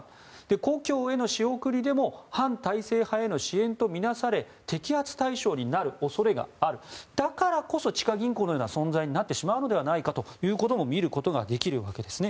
故郷への仕送りでも反体制派への支援とみなされ摘発対象になる恐れがあるだからこそ、地下銀行のような存在になってしまうのではないかとみることができるわけです。